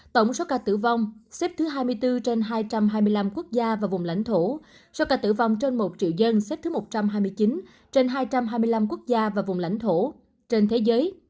tổng số ca tử vong xếp thứ hai mươi bốn trên hai trăm hai mươi năm quốc gia và vùng lãnh thổ số ca tử vong trên một triệu dân xếp thứ một trăm hai mươi chín trên hai trăm hai mươi năm quốc gia và vùng lãnh thổ trên thế giới